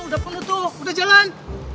udah penuh tuh udah jalan